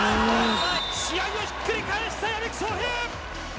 試合をひっくり返した屋比久翔平！